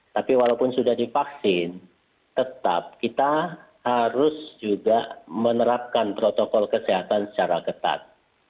tapi walaupun sudah divaksin tetap kita harus juga menerapkan protokol kesehatan secara ketat